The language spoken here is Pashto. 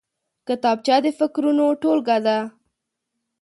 کتابچه د فکرونو ټولګه ده